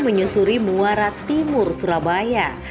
di suri muara timur surabaya